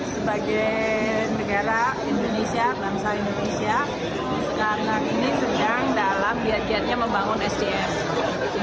sebagai negara indonesia bangsa indonesia sekarang ini sedang dalam biad biadnya membangun sds